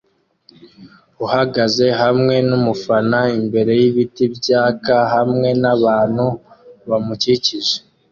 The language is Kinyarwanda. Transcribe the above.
uhagaze hamwe numufana imbere yibiti byaka hamwe nabantu bamukikije.